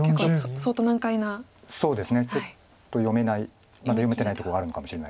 そうですねちょっと読めないまだ読めてないとこがあるのかもしれないです。